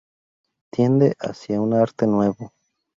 Tiende hacia un arte nuevo...".